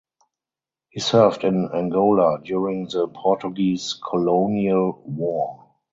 He served in Angola during the Portuguese Colonial War.